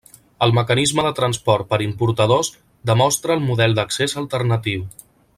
El mecanisme de transport per importadors demostra el model d'accés alternatiu.